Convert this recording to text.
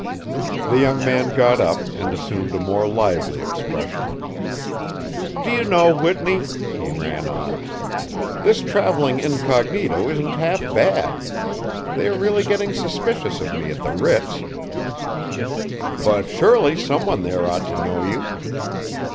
The young man got up and assumed a more lively expression. "Do you know, Whitney," he ran on, "this travelling incognito isn't half bad. They are really getting suspicious of me at the Ritz." "But surely some one there ought to know you."